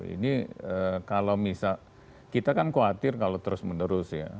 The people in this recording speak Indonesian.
ini kalau misalnya kita kan khawatir kalau terus menerus ya